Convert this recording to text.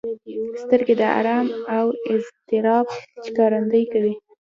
سترګې د ارام او اضطراب ښکارندويي کوي